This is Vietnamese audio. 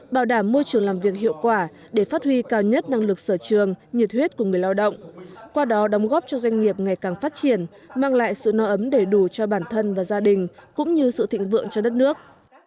bảo đảm môi trường làm việc hiệu quả để phát huy cao nhất năng lực sở trường nhiệt huyết của người lao động qua đó đóng góp cho doanh nghiệp ngày càng phát triển mang lại sự no ấm đầy đủ cho bản thân và gia đình cũng như sự thịnh vượng cho đất nước